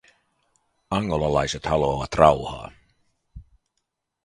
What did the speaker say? Angolalaiset haluavat rauhaa.